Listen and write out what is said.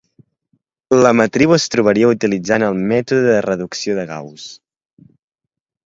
La matriu es trobaria utilitzant el mètode de reducció de Gauss.